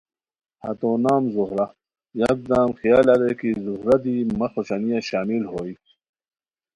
ہتو نام زہرہ یکدم خیال اریر کی زہرہ دی مہ خوشانیہ شامل ہوئے